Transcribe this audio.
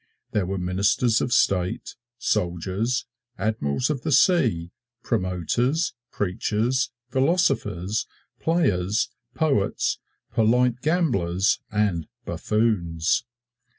There were ministers of state, soldiers, admirals of the sea, promoters, preachers, philosophers, players, poets, polite gamblers and buffoons.